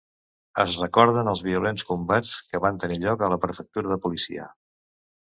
Es recorden els violents combats que van tenir lloc a la prefectura de policia.